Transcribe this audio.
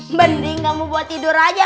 mending kamu buat tidur aja